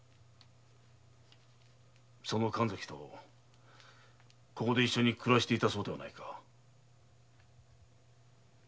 その神崎とここで一緒に暮らしていたそうではないか。